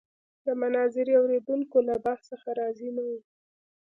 د مناظرې اورېدونکي له بحث څخه راضي نه وو.